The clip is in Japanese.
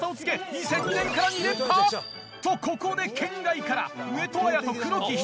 ２００２年から２連覇！とここで圏外から上戸彩と黒木瞳！